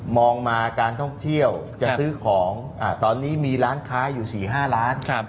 องมาการท่องเที่ยวจะซื้อของตอนนี้มีร้านค้าอยู่๔๕ล้าน